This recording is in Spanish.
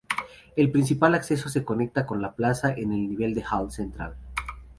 El principal acceso se conecta con la plaza en el nivel del hall central.